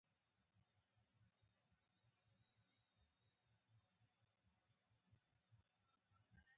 " امیر صېب ستا ولې زۀ خوښ یم" ـ